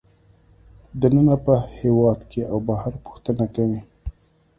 دننه په هېواد کې او بهر پوښتنه کوي